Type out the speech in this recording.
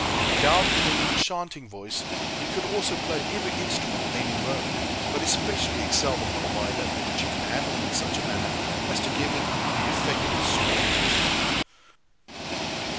Endowed with an enchanting voice, he could also play every instrument then in vogue, but especially excelled upon the violin, which he could handle in such a manner as to give it the effect of a small orchestra.